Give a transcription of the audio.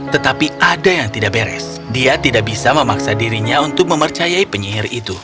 tetapi ada yang tidak beres dia tidak bisa memaksa dirinya untuk mempercayai penyihir itu